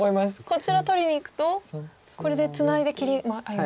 こちら取りにいくとこれでツナいで切りもあります。